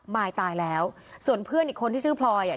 มายตายแล้วส่วนเพื่อนอีกคนที่ชื่อพลอยอ่ะ